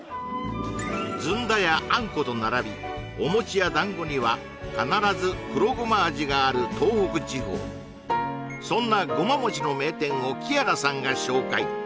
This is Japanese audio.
ずんだやあんこと並びお餅や団子には必ず黒ゴマ味がある東北地方そんなごま餅の名店をキアラさんが紹介